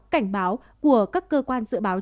cảnh báo của các cơ quan dự báo